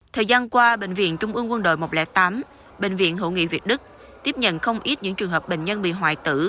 thời gian qua bệnh viện trung ương quân đội một trăm linh tám bệnh viện hữu nghị việt đức tiếp nhận không ít những trường hợp bệnh nhân bị hoại tử